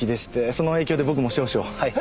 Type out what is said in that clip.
その影響で僕も少々はい。